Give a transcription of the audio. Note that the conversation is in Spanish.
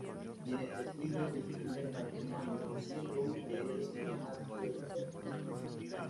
Tiene tres hijos de su primer matrimonio, siendo uno de ellos diplomático de carrera.